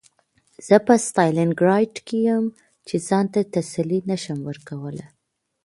زه په ستالینګراډ کې یم چې ځان ته تسلي نشم ورکولی